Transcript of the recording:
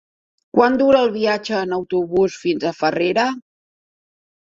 Quant dura el viatge en autobús fins a Farrera?